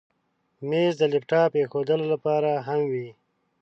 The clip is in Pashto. مېز د لپټاپ ایښودلو لپاره هم وي.